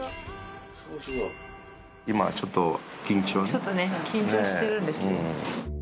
ちょっとね緊張してるんですよ。